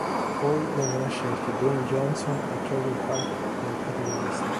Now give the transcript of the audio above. Poi vengono scelti Dwayne Johnson e Kevin Hart come protagonisti.